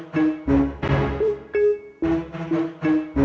dia kerjanya masih gitu